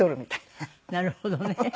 なるほどね。